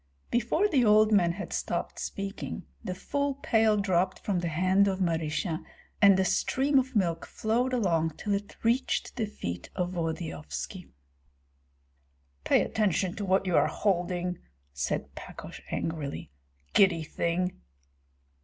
Before the old man had stopped speaking the full pail dropped from the hand of Marysia, and a stream of milk flowed along till it reached the feet of Volodyovski. "Pay attention to what you are holding!" said Pakosh, angrily. "Giddy thing!"